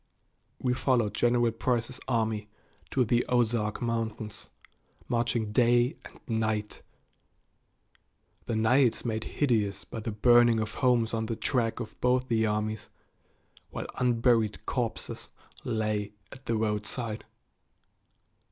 We followed General Price's army to the Ozark Mountains, marching day and night the nights made hideous by the burning of homes on the track of both the armies, while unburied corpses lay at the roadside.